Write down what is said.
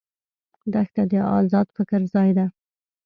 دښته د آزاد فکر ځای ده.